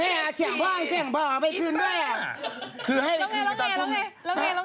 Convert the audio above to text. ไม่ได้ผิดหิ้นเฉามันประเทศจีน